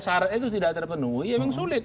syaratnya itu tidak terpenuhi emang sulit